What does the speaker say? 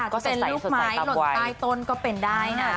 จะเป็นลูกไม้หล่นใต้ต้นก็เป็นได้นะ